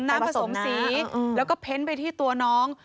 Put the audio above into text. น้ำผสมสีแล้วก็เพ้นไปที่ตัวน้อง